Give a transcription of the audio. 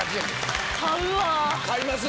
買います？